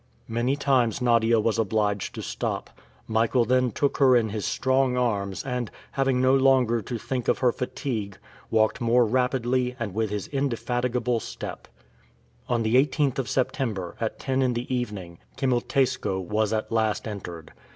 Many times Nadia was obliged to stop. Michael then took her in his strong arms and, having no longer to think of her fatigue, walked more rapidly and with his indefatigable step. On the 18th of September, at ten in the evening, Kimilteiskoe was at last entered.